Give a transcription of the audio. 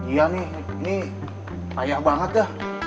iya nih ini kayak banget dah